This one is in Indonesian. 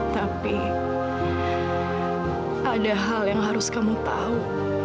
tapi ada hal yang harus kamu tahu